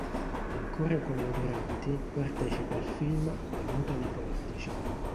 Ancora con la Duranti partecipa al film "La muta di Portici".